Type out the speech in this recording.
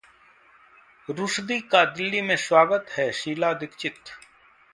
रुश्दी का दिल्ली में स्वागत है: शीला दीक्षित